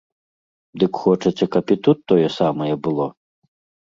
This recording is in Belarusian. Дык хочаце, каб і тут тое самае было?